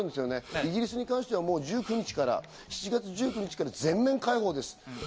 イギリスに関しては１９日から、７月１９日から全面開放です。